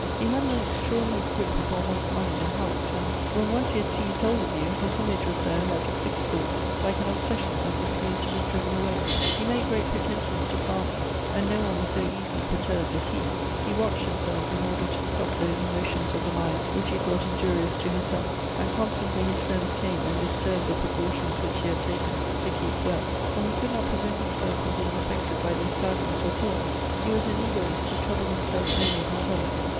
He had an extraordinary grip upon one's mind and heart; and, when once he had seized hold of you, his image was there, like a fixed thought, like an obsession that refused to be driven away. He made great pretensions to calmness, and no one was so easily perturbed as he: he watched himself in order to stop those emotions of the mind, which he thought injurious to his health, and constantly his friends came and disturbed the precautions which he had taken to keep well, for he could not prevent himself from being affected by their sadness or joy: he was an egoist who troubled himself only about others.